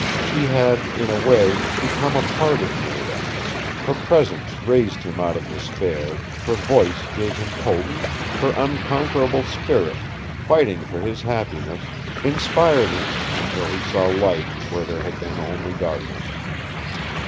She had, in a way, become a part of Nada; her presence raised him out of despair, her voice gave him hope, her unconquerable spirit fighting for his happiness inspired him until he saw light where there had been only darkness.